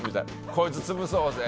こいつ潰そうぜ。